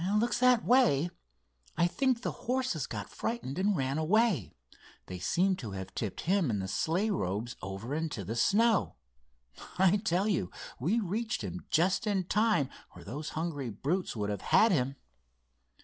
"It looks that way. I think the horses got frightened and ran away. They seemed to have tipped him and the sleigh robes over into the snow. I tell you, we reached him just in time, or those hungry brutes would have had him."